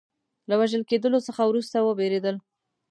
له وژل کېدلو څخه وروسته وبېرېدل.